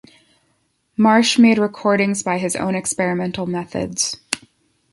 Marsh made recordings by his own experimental methods.